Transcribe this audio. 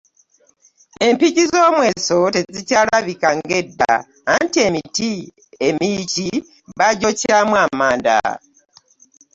Empiki z'omweso tezikyalabika ng'edda, anti emiti emiyiki baagyokyamu amanda.